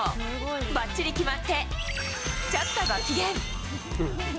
ばっちり決まって、ちょっとご機嫌。